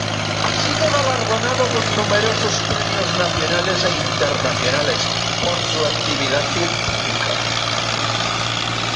Ha sido galardonado con numerosos premios nacionales e internacionales por su actividad científica.